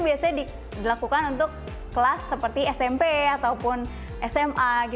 biasanya dilakukan untuk kelas seperti smp ataupun sma